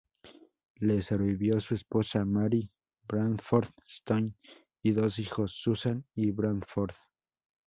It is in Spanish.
Le sobrevivió su esposa, Mary Bradford Stone, y dos hijos, Susan y Bradford.